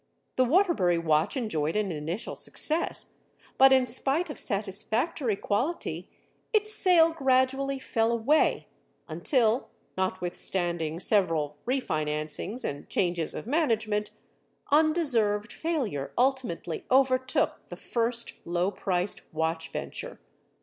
The Waterbury watch enjoyed an initial success but, in spite of satisfactory quality, its sale gradually fell away, until, notwithstanding several refinancings and changes of management, undeserved failure ultimately overtook the first low priced watch venture.